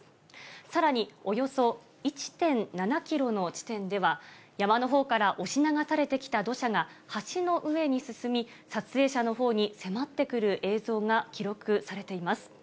さらに、およそ１．７キロの地点では、山のほうから押し流されてきた土砂が、橋の上に進み、撮影者のほうに迫ってくる映像が記録されています。